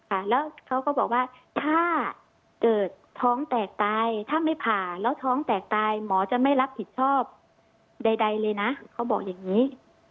ค่ะแล้วเขาก็บอกว่าถ้าเกิดท้องแตกตายถ้าไม่ผ่าแล้วท้องแตกตายหมอจะไม่รับผิดชอบใดเลยนะเขาบอกอย่างนี้